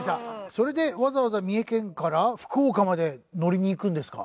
それでわざわざ三重県から福岡まで乗りに行くんですか？